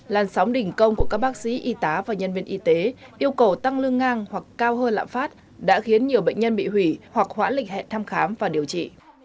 làn sóng đình công của các bác sĩ y tá và nhân viên y tế yêu cầu tăng lương ngang hoặc cao hơn lạm phát đã khiến nhiều bệnh nhân bị hủy hoặc hoãn lịch hẹn thăm khám và điều trị